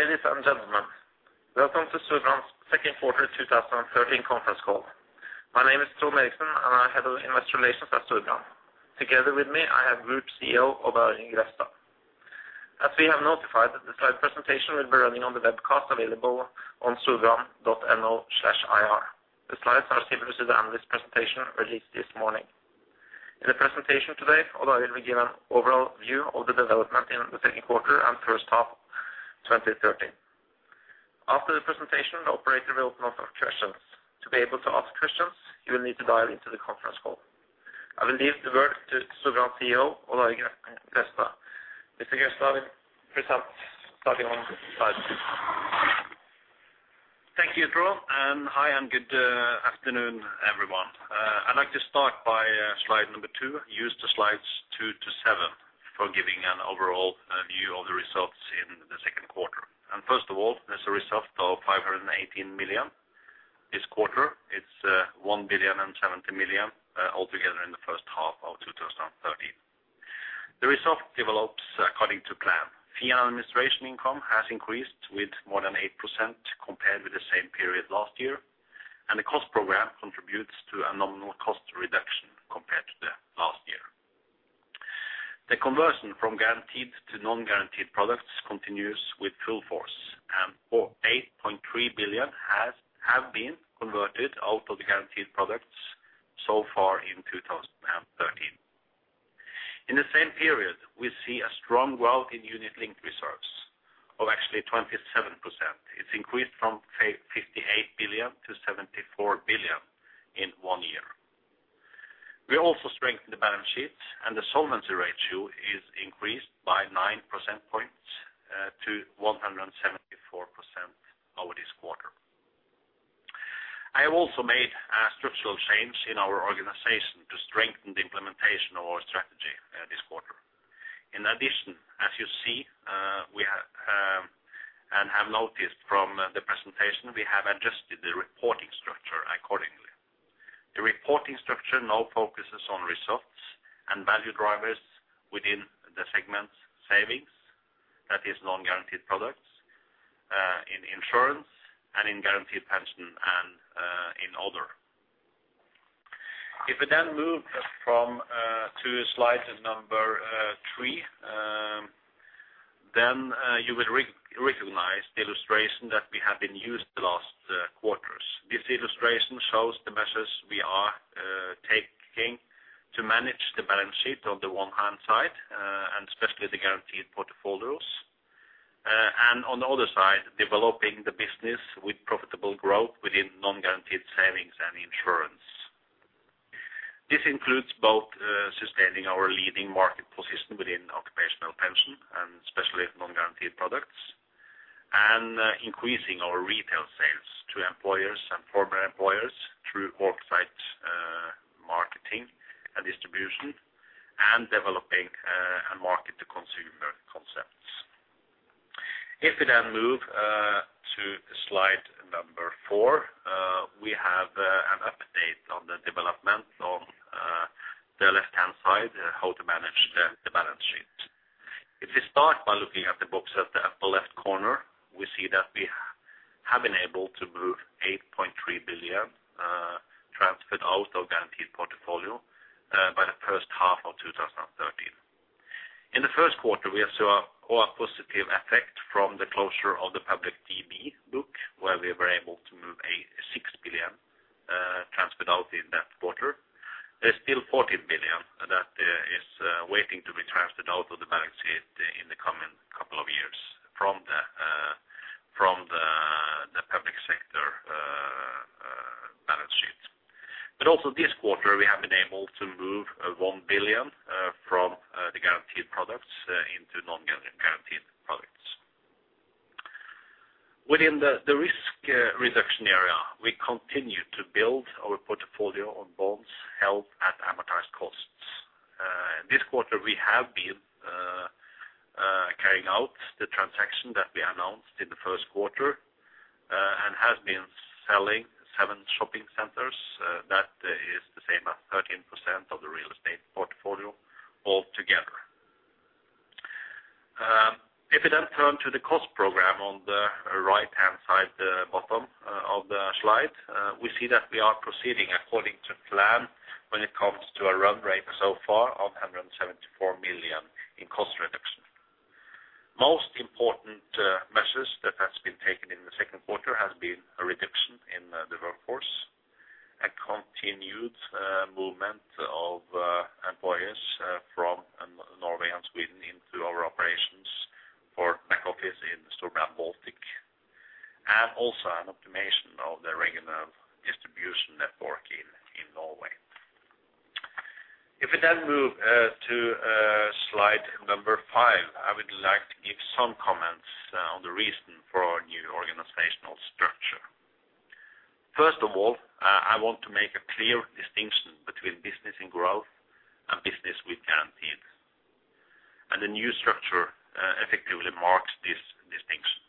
Good morning, ladies and gentlemen. Welcome to Storebrand's second quarter 2013 conference call. My name is Trond Finn Eriksen, and I'm Head of Investor Relations at Storebrand. Together with me, I have Group CEO, Odd Arild Grefstad. As we have notified, the slide presentation will be running on the webcast available on storebrand.no/ir. The slides are similar to the analyst presentation released this morning. In the presentation today, Odd Arild Grefstad will be given an overall view of the development in the second quarter and first half, 2013. After the presentation, the operator will open up for questions. To be able to ask questions, you will need to dial into the conference call. I will leave the word to Storebrand CEO, Odd Arild Grefstad. Mr. Grefstad will present starting on the slide. Thank you, Trond, and hi, and good afternoon, everyone. I'd like to start by slide number two, use the slides two to seven for giving an overall view of the results in the second quarter. First of all, there's a result of 518 million this quarter. It's 1,070 million altogether in the first half of 2013. The result develops according to plan. Fee and administration income has increased with more than 8% compared with the same period last year, and the cost program contributes to a nominal cost reduction compared to last year. The conversion from guaranteed to non-guaranteed products continues with full force, and 8.3 billion has been converted out of the guaranteed products so far in 2013. In the same period, we see a strong growth in unit-linked reserves of actually 27%. It's increased from 58 billion to 74 billion in one year. We also strengthened the balance sheet, and the solvency ratio is increased by 9 percentage points to 174% over this quarter. I have also made a structural change in our organization to strengthen the implementation of our strategy this quarter. In addition, as you see, and have noticed from the presentation, we have adjusted the reporting structure accordingly. The reporting structure now focuses on results and value drivers within the segment savings, that is, non-guaranteed products, in insurance and in guaranteed pension and in other. If we then move from to slide number three, then you will recognize the illustration that we have been used the last quarters. This illustration shows the measures we are taking to manage the balance sheet on the one hand side, and especially the guaranteed portfolios. And on the other side, developing the business with profitable growth within non-guaranteed savings and insurance. This includes both, sustaining our leading market position within occupational pension, and especially non-guaranteed products, and increasing our retail sales to employers and former employers through worksite marketing and distribution, and developing a market to consumer concepts. If we then move to slide number four, we have an update on the development on the left-hand side, how to manage the balance sheet. If you start by looking at the box at the left corner, we see that we have been able to move 8.3 billion transferred out of guaranteed portfolio by the first half of 2013. In the first quarter, we saw a positive effect from the closure of the public DB book, where we were able to move NOK 6 billion transferred out in that quarter. There's still NOK 14 billion that is waiting to be transferred out of the balance sheet in the coming couple of years from the public sector balance sheet. But also this quarter, we have been able to move NOK 1 billion from the guaranteed products into non-guaranteed products. Within the risk reduction area, we continue to build our portfolio on bonds held at amortized costs. This quarter, we have been carrying out the transaction that we announced in the first quarter, and have been selling seven shopping centers. That is the same as 13% of the real estate portfolio altogether. If you then turn to the cost program on the right-hand side, the bottom of the slide, we see that we are proceeding according to plan when it comes to a run rate so far of 174 million in cost reduction. Most important measures that has been taken in the second quarter has been a reduction in the workforce, a continued movement of employees from Norway and Sweden into our operations for back office in Storebrand Baltic, and also an optimization of the regular distribution network in Norway. If we then move to slide number five, I would like to give some comments on the reason for our new organizational structure. First of all, I want to make a clear distinction between business and growth, and business with guarantees. And the new structure effectively marks this distinction.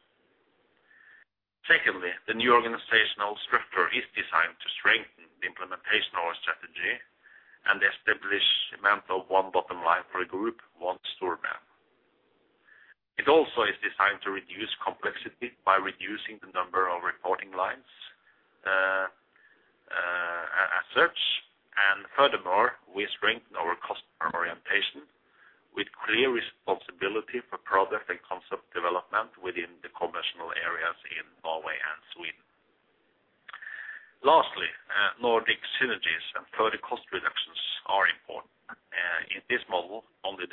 Secondly, the new organizational structure clearly establishes an aim of one bottom line for the group, one Storebrand. It also is designed to reduce complexity by reducing the number of reporting lines, as such, and furthermore, we strengthen our customer orientation, with clear responsibility for product and concept development within the commercial areas in Norway and Sweden. Lastly, Nordic synergies and further cost reductions are important. In this model, only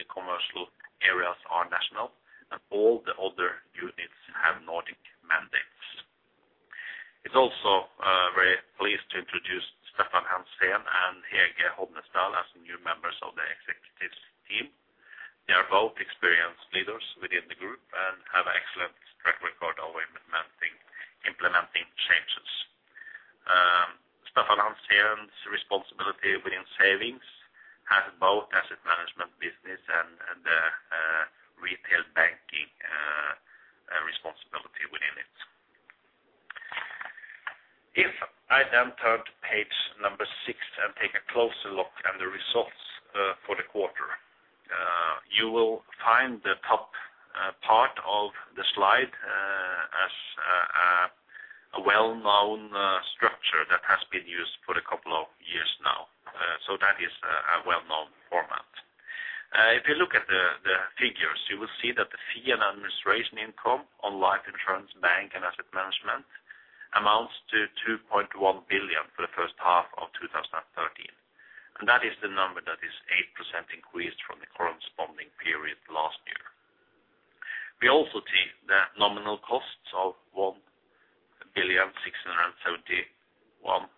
We also see that nominal costs of 1,671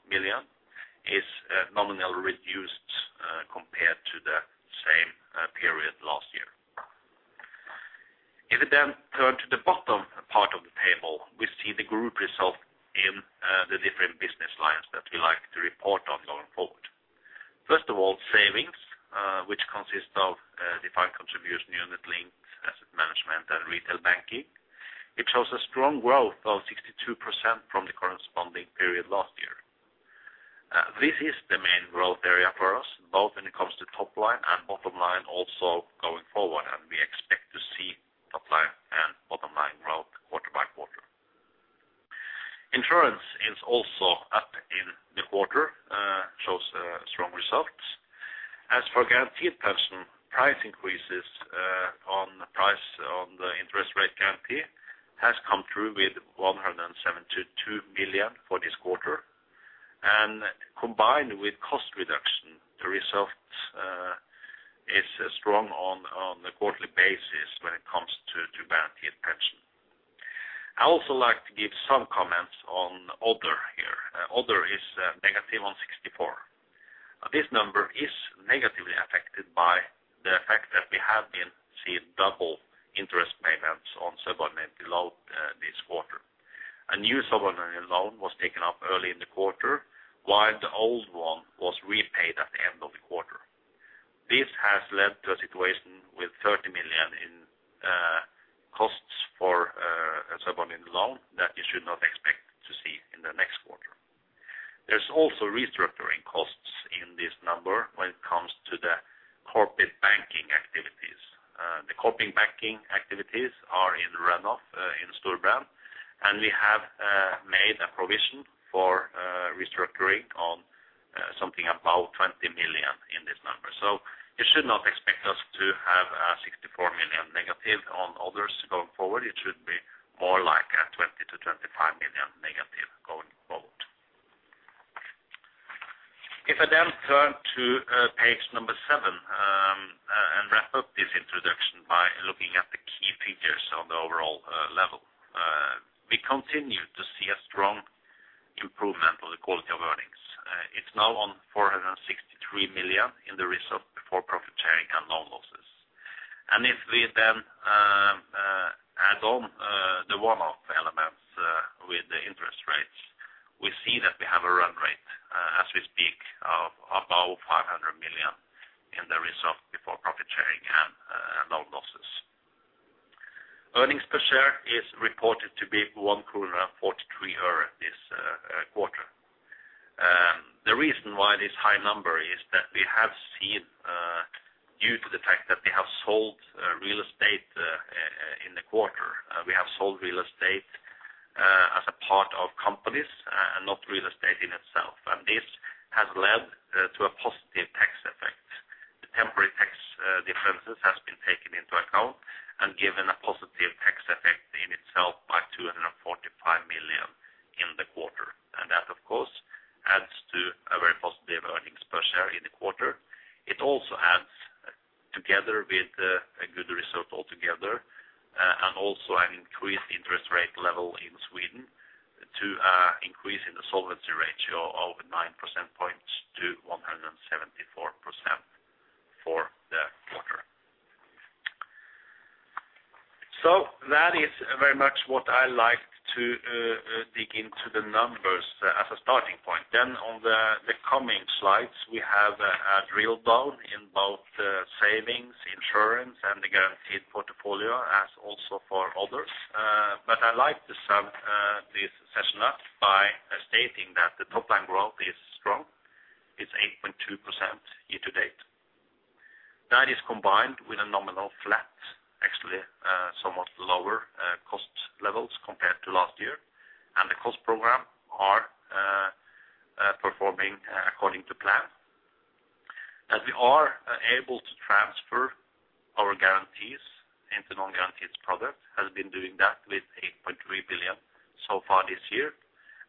million is nominal reduced compared to the same period last year. If we then turn to the bottom part of the table, we see the group result in the different business lines that we like to report on going forward. First of all, savings, which consists of defined contribution, unit-linked, asset management, and retail banking. It shows a strong growth of 62% from the corresponding period last year. This is the main growth area for us, both when it comes to top line and bottom line, also going forward, and we expect to see top line and bottom line growth quarter by quarter. Insurance is also up in the quarter, shows strong results. As for guaranteed pension, price increases on price on the interest rate guarantee has come through with 172 million for this quarter. Combined with cost reduction, the results is strong on a quarterly basis when it comes to guaranteed pension. I also like to give some comments on other here. Other is negative 64 million. This number is negatively affected by the fact that we have been seeing double interest payments on subordinated loan this quarter. A new subordinated loan was taken up early in the quarter, while the old one was repaid at the end of the quarter. This has led to a situation with 30 million in costs for a subordinated loan that you should not expect to see in the next quarter. There's also restructuring costs in this number when it comes to the corporate banking activities. The corporate banking activities are in runoff in Storebrand, and we have made a provision for restructuring on something about 20 million in this number. So you should not expect us to have a 64 million negative on others going forward. It should be more like a 20 million-25 million negative going forward. If I then turn to page seven and wrap up this introduction by looking at the key figures on the overall level. We continue to see a strong improvement on the quality of earnings. It's now at 463 million in the result before profit sharing and loan losses. If we then add on the one-off elements with the interest rates, we see that we have a run rate as we speak of about 500 million in the result before profit sharing and loan losses. Earnings per share is reported to be NOK 1.43 this quarter. The reason why this high number is that we have seen due to the fact that we have sold real estate in the quarter. We have sold real estate, as a part of companies, and not real estate in itself, and this has led to a positive tax effect. The temporary tax differences has been taken into account and given a positive tax effect in itself by 245 million in the quarter. And that, of course, adds to a very positive earnings per share in the quarter. It also adds, together with, a good result altogether, and also an increased interest rate level in Sweden, to, increase in the solvency ratio of 9 percentage points to 174% for the quarter. So that is very much what I like to dig into the numbers as a starting point. Then on the coming slides, we have drilled down in both the savings, insurance, and the guaranteed portfolio, as also for others. But I'd like to sum this session up by stating that the top line growth is strong, it's 8.2% year to date. That is combined with a nominal flat, actually, somewhat lower cost levels compared to last year, and the cost program are performing according to plan. As we are able to transfer our guarantees into non-guaranteed products, has been doing that with 8.3 billion so far this year,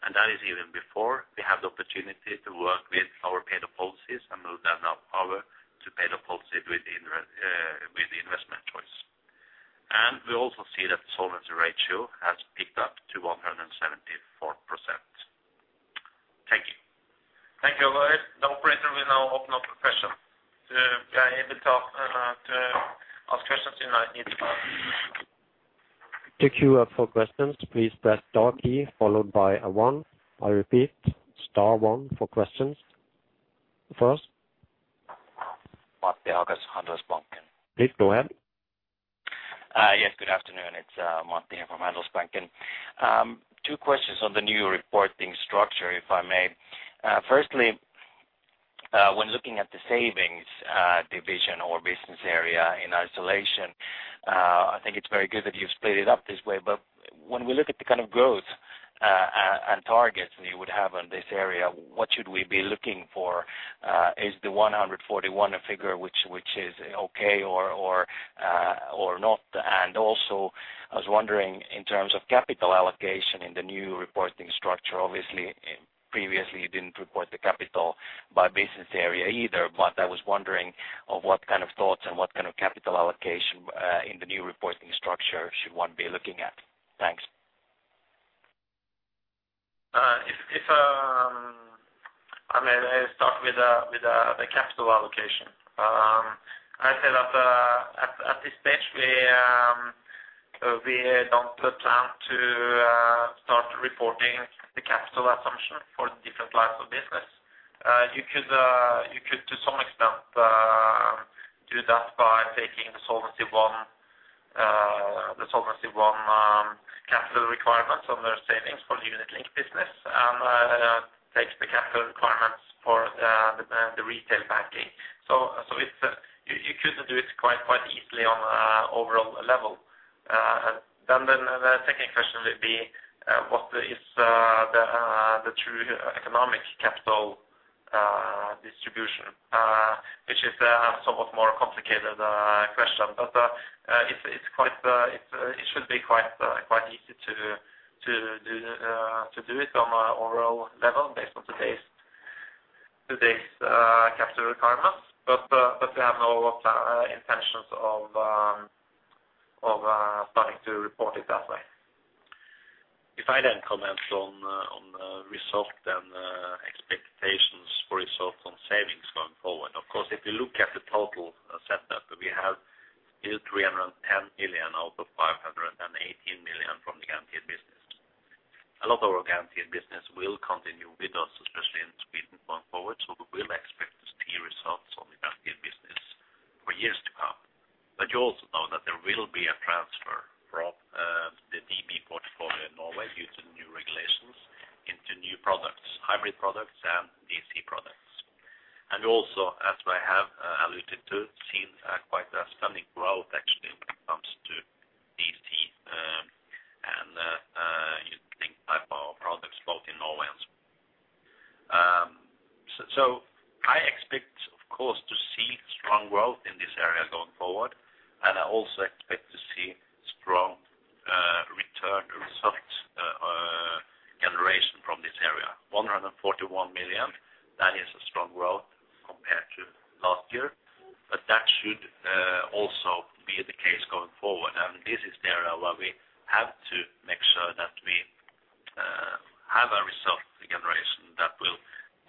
and that is even before we have the opportunity to work with our paid-up policies and move them now over to paid-up policy with the investment choice. We also see that the solvency ratio has picked up to 174%. Thank you. Thank you very much. The operator will now open up the session. To be able to, to ask questions, you now need to, To queue up for questions, please press star, then one, followed by a one. I repeat, star one for questions. First? Matti Ahokas, Handelsbanken. Please go ahead. Yes, good afternoon. It's Matti here from Handelsbanken. Two questions on the new reporting structure, if I may. Firstly, when looking at the savings division or business area in isolation, I think it's very good that you've split it up this way. But when we look at the kind of growth and targets you would have on this area, what should we be looking for? Is the 141 a figure which is okay or not? And also, I was wondering, in terms of capital allocation in the new reporting structure, obviously, previously, you didn't report the capital by business area either. But I was wondering of what kind of thoughts and what kind of capital allocation in the new reporting structure should one be looking at? Thanks. I mean, I start with the capital allocation. I said that at this stage, we don't put down to start reporting the capital assumption for different lines of business. You could, to some extent, do that by taking the Solvency I, the Solvency I capital requirements on their savings for the unit link business, takes the capital requirements for the retail banking. So it's you could do it quite easily on an overall level. Then the second question would be, what is the true economic capital distribution? Which is somewhat more complicated question. But, it's quite easy to do it on an overall level based on today's capital requirements. But, we have no intentions of starting to report it that way. If I then comment on, on, result and, expectations for results on savings going forward. Of course, if you look at the total setup that we have, is 310 million out of 518 million from the guaranteed business. A lot of our guaranteed business will continue with us, especially in Sweden going forward, so we will expect to see results on the guaranteed business for years to come. But you also know that there will be a transfer from, the DB portfolio in Norway due to new regulations into new products, hybrid products and DC products. And also, as I have alluded to, seen, quite a stunning growth, actually, when it comes to DC, and, unit-linked type of products, both in Norway and Sweden. So, I expect, of course, to see strong growth in this area going forward, and I also expect to see strong return results generation from this area. 141 million, that is a strong growth compared to last year, but that should also be the case going forward. And this is the area where we have to make sure that we have a result, the generation that will,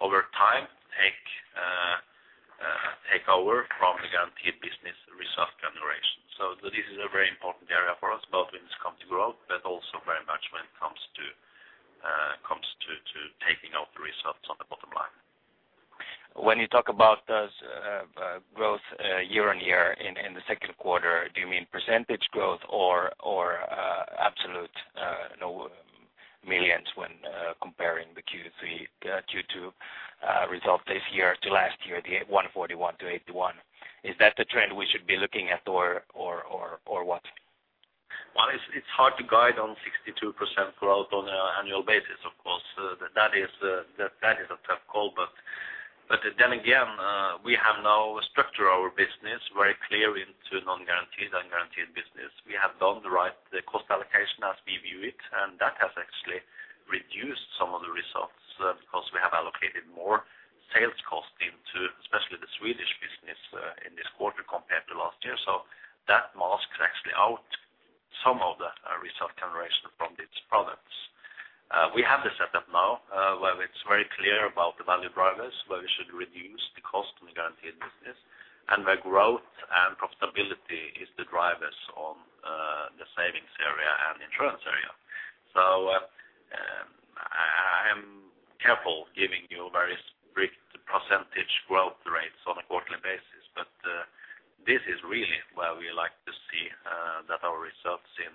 over time, take over from the guaranteed business result generation. So this is a very important area for us, both when it comes to growth, but also very much when it comes to taking out the results on the bottom line. When you talk about those growth year-over-year in the second quarter, do you mean percentage growth or absolute millions when comparing the Q2 result this year to last year, the 141 million to 81 million? Is that the trend we should be looking at or what? Well, it's hard to guide on 62% growth on an annual basis, of course. That is a tough call, but then again, we have now structured our business very clear into non-guaranteed and guaranteed business. We have done the right cost allocation as we view it, and that has actually reduced some of the results, because we have allocated more sales costs into, especially the Swedish business, in this quarter compared to last year. So that masks actually out some of the result generation from these products. We have the setup now, where it's very clear about the value drivers, where we should reduce the cost in the guaranteed business, and where growth and profitability is the drivers on the savings area and insurance area. I am careful giving you a very strict quarterly basis, but this is really where we like to see that our results in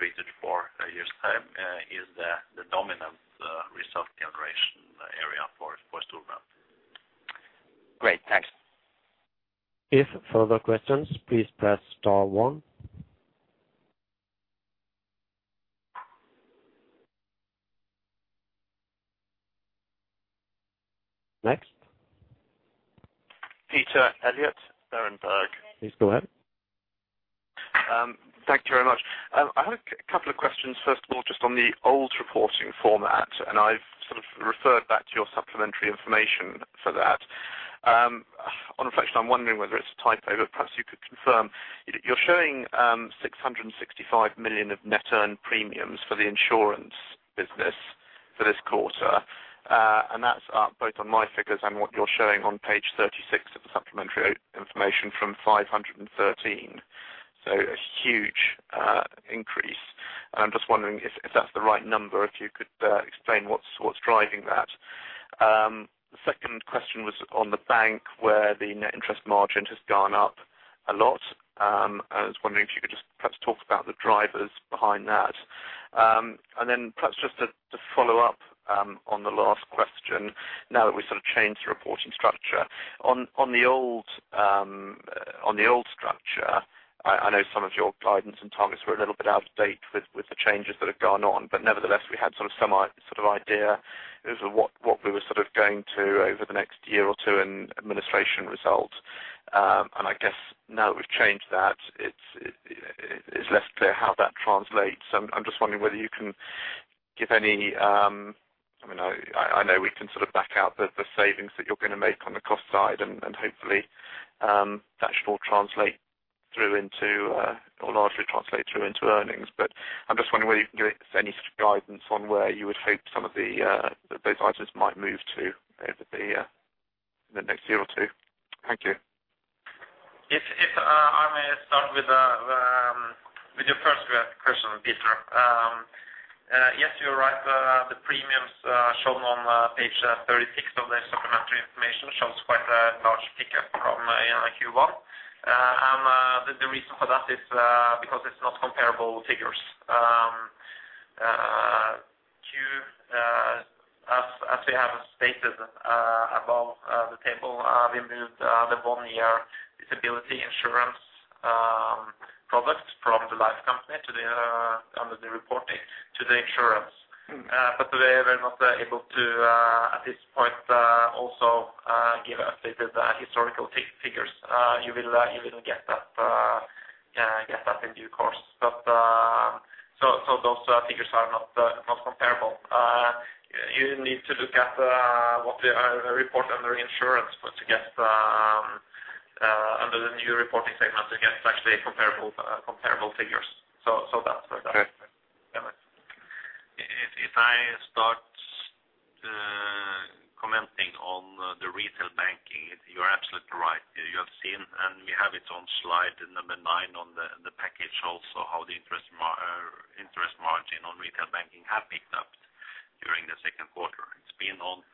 3-4 years' time is the dominant result generation area for Storebrand. Great, thanks. If further questions, please press star one. Next? Peter Eliot, Berenberg. Please go ahead. Thank you very much. I have a couple of questions. First of all, just on the old reporting format, and I've sort of referred back to your supplementary information for that. On reflection, I'm wondering whether it's a typo, but perhaps you could confirm. You're showing 665 million of net earned premiums for the insurance business for this quarter. And that's both on my figures and what you're showing on page 36 of the supplementary information from 513. So a huge increase. I'm just wondering if that's the right number, if you could explain what's driving that? The second question was on the bank, where the net interest margin has gone up a lot. I was wondering if you could just perhaps talk about the drivers behind that. And then perhaps just to follow up on the last question, now that we've sort of changed the reporting structure. On the old structure, I know some of your guidance and targets were a little bit out of date with the changes that have gone on, but nevertheless, we had sort of some sort of idea as to what we were sort of going to over the next year or two in administration results. And I guess now that we've changed that, it's less clear how that translates. I'm just wondering whether you can give any. I mean, I know we can sort of back out the savings that you're going to make on the cost side, and hopefully that should all translate through into or largely translate through into earnings. But I'm just wondering whether you can give us any guidance on where you would hope some of those items might move to over the next year or two? Thank you. If I may start with your first question, Peter. Yes, you're right. The premiums shown on page 36 of the supplementary information show quite a large pickup from Q1. The reason for that is because it's not comparable figures. As we have stated above the table, we moved the Bonnier disability insurance products from the life company to under the reporting to the insurance. We're not able to at this point also give updated historical figures. You will get that in due course. Those figures are not comparable. You need to look at what we report under insurance to get under the new reporting segment, to get actually comparable comparable figures. So that's for that. Okay. Yeah. If I start commenting on the retail banking, you're absolutely right. You have seen, and we have it on slide number 9 on the package also, how the interest margin on retail banking have picked up during the second quarter. It's been on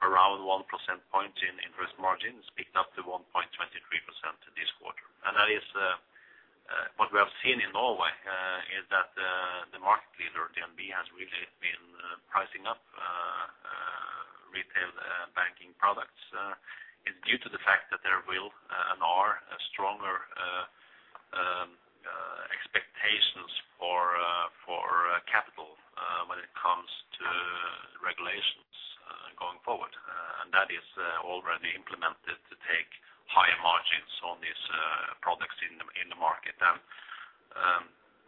around 1 percentage point in interest margins, picked up to 1.23% this quarter. And that is what we have seen in Norway is that the market leader, DNB, has really been pricing up retail banking products. It's due to the fact that there will and are stronger expectations for capital when it comes to regulations going forward. And that is already implemented to take higher margins on these products in the market.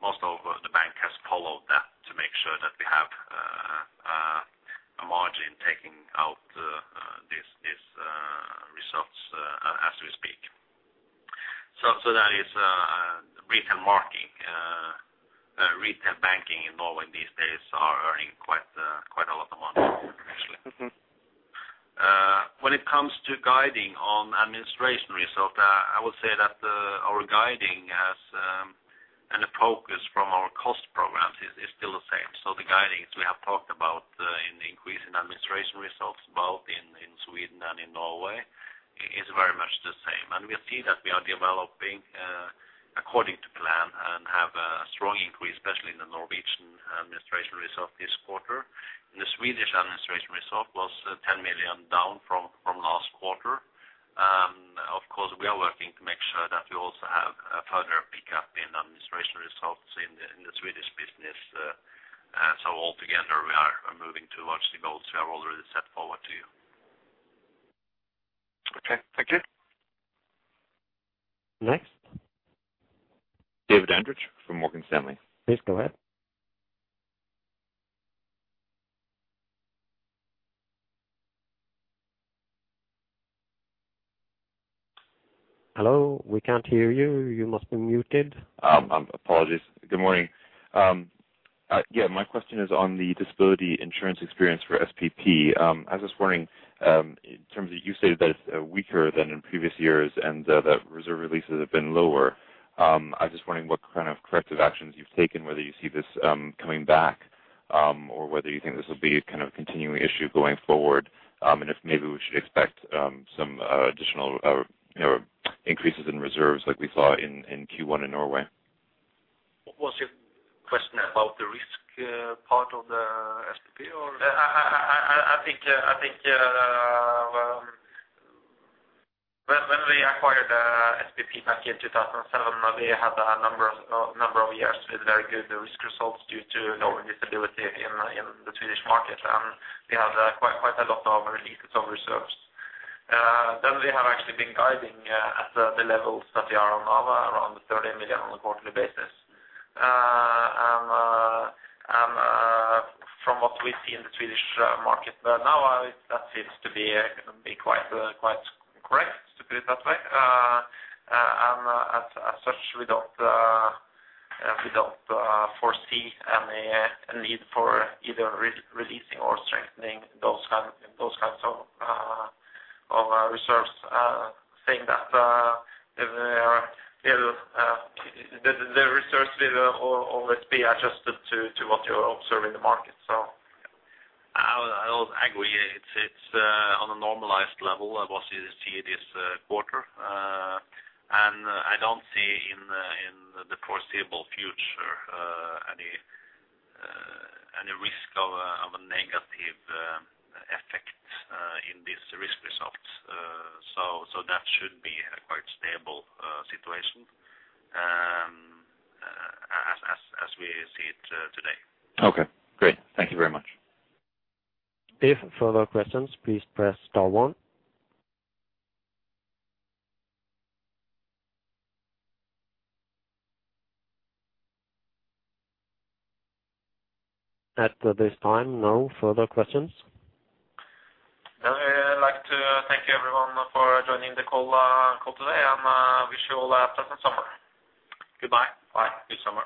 Most of the bank has followed that to make sure that we have a margin taking out these results as we speak. That is, retail banking in Norway these days is earning quite a lot of money, actually. Mm-hmm. When it comes to guiding on administration result, I would say that our guiding as and the focus from our cost programs is still the same. So the guidings we have talked about in the increase in administration results, both in Sweden and in Norway, is very much the same. And we see that we are developing according to plan and have a strong increase, especially in the Norwegian administration result this quarter. The Swedish administration result was 10 million down from last quarter. Of course, we are working to make sure that we also have a further pickup in administration results in the Swedish business. And so altogether, we are moving towards the goals we have already set forward to you. Okay. Thank you. Next? David Andrich from Morgan Stanley. Please go ahead. Hello, we can't hear you. You must be muted. Apologies. Good morning. Yeah, my question is on the disability insurance experience for SPP. I was just wondering, in terms of you stated that it's weaker than in previous years, and that reserve releases have been lower. I was just wondering what kind of corrective actions you've taken, whether you see this coming back? Or whether you think this will be kind of a continuing issue going forward, and if maybe we should expect some additional or increases in reserves like we saw in Q1 in Norway? What was your question about the risk, part of the SPP, or? I think when we acquired SPP back in 2007, we had a number of years with very good risk results due to low visibility in the Swedish market, and we had quite a lot of releases of reserves. Then we have actually been guiding at the levels that we are on now, around the SEK 30 million on a quarterly basis. And from what we see in the Swedish market now, that seems to be quite correct, to put it that way. And as such, we don't foresee any need for either re-releasing or strengthening those kinds of reserves. Saying that, they are, the reserves will always be adjusted to what you observe in the market. So- I agree. It's on a normalized level, what you see this quarter. And I don't see in the foreseeable future any risk of a negative effect in this risk result. So that should be a quite stable situation as we see it today. Okay, great. Thank you very much. If further questions, please press star one. At this time, no further questions. I'd like to thank you everyone for joining the call today, and wish you all a pleasant summer. Goodbye. Bye. Good summer.